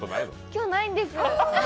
今日、ないんです。